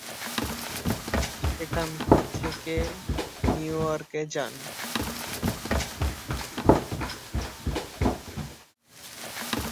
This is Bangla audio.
সেখান থেকে নিউ ইয়র্কে যান।